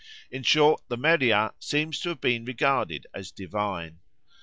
In short, the Meriah seems to have been regarded as divine.